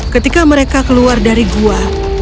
ketika mereka keluar dari gua